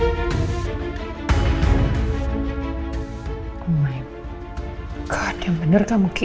oh my god yang bener kamu kiki